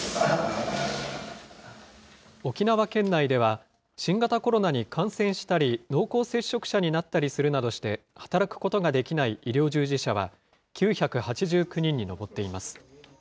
沖縄県内では、新型コロナに感染したり濃厚接触者になったりするなどして、働くことができない医療従事者は９８９人に上っています。